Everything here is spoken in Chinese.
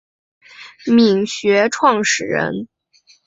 黾学创始人。